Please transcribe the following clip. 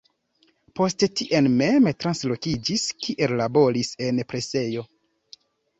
Poste tien mem translokiĝis, kie laboris en presejo.